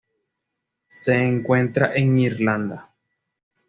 Se encuentra en Irlanda.